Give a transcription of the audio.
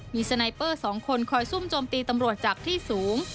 มีสไนเปอร์๒คนคอยซุ่มโจมตีตำรวจจับที่สูง